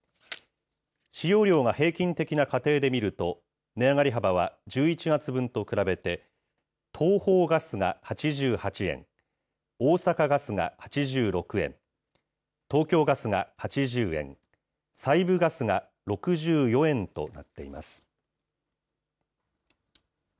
使用量が平均的な家庭で見ると、値上がり幅は１１月分と比べて、東邦ガスが８８円、大阪ガスが８６円、東京ガスが８０円、西部ガスが６４円となっています。